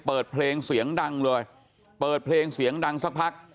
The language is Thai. เปิดเพลงเสียงดังเลยเปิดเพลงเสียงดังสักพัก